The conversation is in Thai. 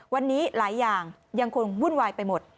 วันนี้หลายอย่างยังคงวุ่นวายไปหมด